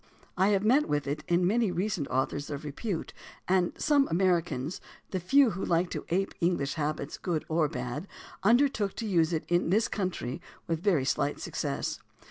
I have met with it in many recent authors of repute, and some Americans — the few who like to ape English habits, good or bad — un dertook to use it in this country with very slight suc cess.